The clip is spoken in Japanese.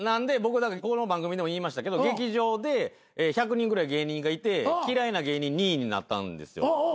僕この番組でも言いましたけど劇場で１００人ぐらい芸人がいて嫌いな芸人２位になったんです。